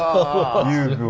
遊具を。